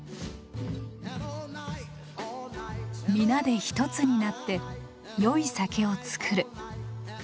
「皆で一つになって良い酒を造る」。